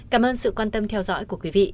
cảm ơn sự quan tâm theo dõi của quý vị